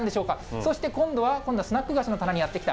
そして今度は、今度はスナック菓子の棚にやって来た。